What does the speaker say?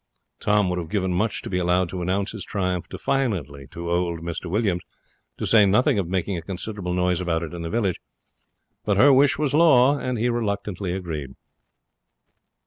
Tom would have given much to be allowed to announce his triumph defiantly to old Mr Williams, to say nothing of making a considerable noise about it in the village; but her wish was law, and he reluctantly agreed.